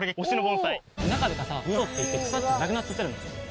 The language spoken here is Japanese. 中とかさ洞っていって腐ってなくなっちゃってるの。